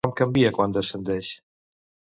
Com canvia quan descendeix?